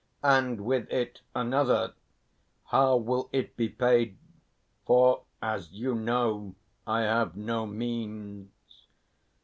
And with it another: How will it be paid? For, as you know, I have no means...."